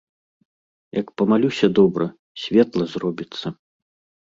Як памалюся добра, светла зробіцца.